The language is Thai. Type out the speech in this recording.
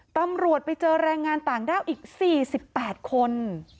ตำรวจไปเจอแรงงานต่างด้าวอีก๔๘คน